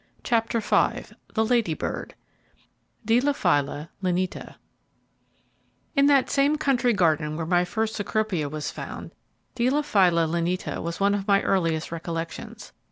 CHAPTER V The Lady Bird: Deilephila Lineata In that same country garden where my first Cecropia was found, Deilephila Lineata was one of my earliest recollections.